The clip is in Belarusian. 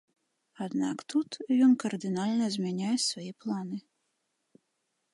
Аднак тут ён кардынальна змяняе свае планы.